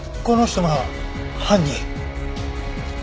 この人が犯人。